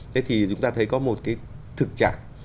thế thì chúng ta thấy có một cái thực trạng